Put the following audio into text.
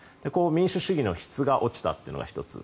民主主義の質が落ちたのが１つ。